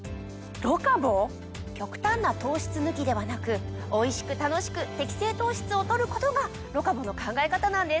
⁉極端な糖質抜きではなくおいしく楽しく適正糖質を取ることがロカボの考え方なんです。